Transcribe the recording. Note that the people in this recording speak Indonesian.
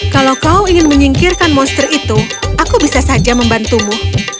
kalau kau ingin menyingkirkan monster itu aku bisa saja membantumu